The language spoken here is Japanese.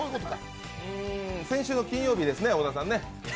先週の金曜日ですね、小田さんね。